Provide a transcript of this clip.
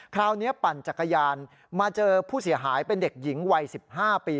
คราวนี้ปั่นจักรยานมาเจอผู้เสียหายเป็นเด็กหญิงวัย๑๕ปี